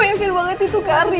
aku yakin banget itu karim